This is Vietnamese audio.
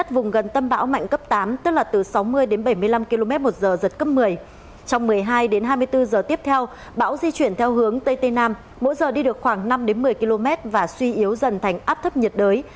trong một mươi hai hai mươi bốn giờ tiếp theo bão di chuyển theo hướng tây tây nam mỗi giờ đi được khoảng năm một mươi km và suy yếu dần thành áp thấp nhiệt đới